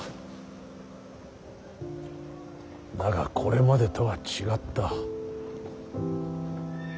だがこれまでとは違った。